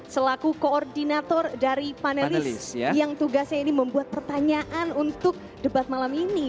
selaku koordinator dari panelis yang tugasnya ini membuat pertanyaan untuk debat malam ini